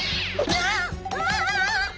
あっ！